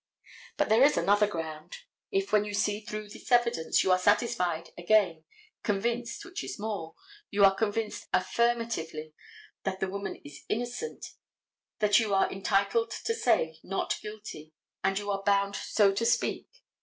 But there is another ground. If, when you see through this evidence, you are satisfied again, convinced—which is more—you are convinced affirmatively that the woman is innocent, that you are entitled to say, "Not guilty," and you are bound so to speak.